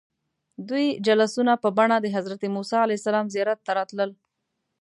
دوی جلوسونه په بڼه د حضرت موسى علیه السلام زیارت ته راتلل.